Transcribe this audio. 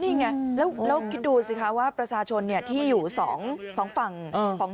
นี่ไงแล้วแล้วคือดูสิคะว่าประชาชนเนี้ยที่อยู่สองสองฝั่ง